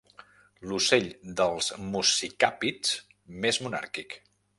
L'ocell dels muscicàpids més monàrquic.